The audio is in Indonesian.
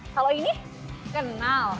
kalau ini kenal